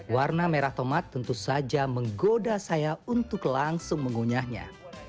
warna merah tomat tentu saja menggoda saya untuk langsung mengunyahnya